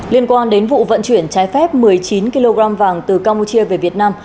liên quan đến vụ vận chuyển trái phép một mươi chín kg vàng từ campuchia về việt nam